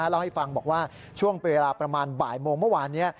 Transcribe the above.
เล่าให้ฟังบอกว่าช่วงเวลาประมาณบ่ายโมงเมื่อวานนี้